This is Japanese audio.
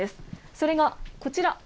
それがこちら。